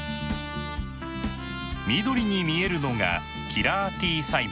緑に見えるのがキラーＴ細胞。